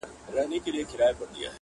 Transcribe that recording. • د زرګونو چي یې غاړي پرې کېدلې -